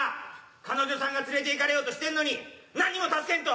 彼女さんが連れていかれようとしてんのになんにも助けんと！